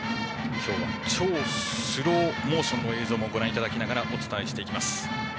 今日は超スローモーションの映像もご覧いただきながらお伝えしていきます。